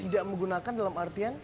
tidak menggunakan dalam artian